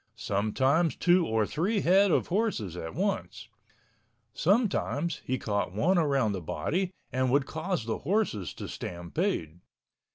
Sometimes two or three head of horses at once. Sometimes he caught one around the body and would cause the horses to stampede.